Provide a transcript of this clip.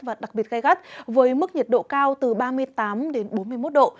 và đặc biệt gai gắt với mức nhiệt độ cao từ ba mươi tám đến bốn mươi một độ